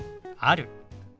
「ある」。